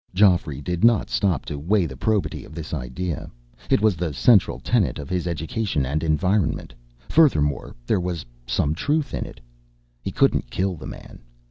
Geoffrey did not stop to weigh the probity of this idea. It was the central tenet of his education and environment. Furthermore, there was some truth in it. He couldn't kill the man.